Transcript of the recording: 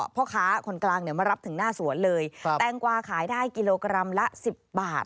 แปลงกวาขายได้กิโลกรัมละ๑๐บาท